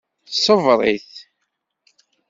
Ṣebbeṛ-it.